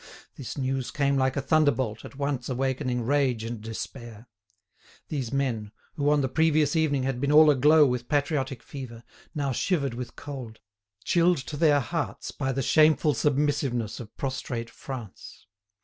This news came like a thunderbolt, at once awakening rage and despair. These men, who on the previous evening had been all aglow with patriotic fever, now shivered with cold, chilled to their hearts by the shameful submissiveness of prostrate France.